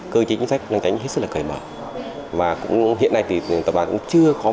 cơ chế chính sách lang chánh hết sức là cải bởi và hiện nay thì tập đoàn cũng chưa có